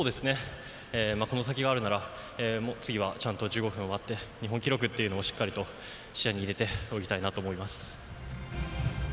この先があるなら次は、ちゃんと１５分を割って日本記録というのを視野に入れて泳ぎたいなと思います。